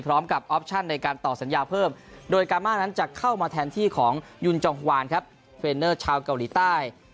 ออปชั่นในการต่อสัญญาเพิ่มโดยกามานั้นจะเข้ามาแทนที่ของยุนจองฮวานครับเทรนเนอร์ชาวเกาหลีใต้